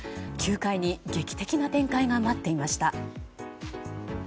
９回に劇的な展開が待っていました。